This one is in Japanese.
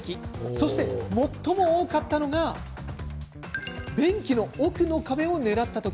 そして、最も多かったのが便器の奥の壁を狙った時。